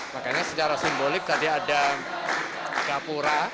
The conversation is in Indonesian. makanya secara simbolik tadi ada gapura